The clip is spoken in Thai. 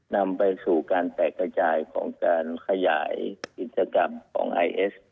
นำไปสู่การแตกกระจายของการขยายกิจกรรมของไอเอส